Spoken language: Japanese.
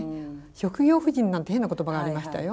「職業婦人」なんて変な言葉がありましたよ。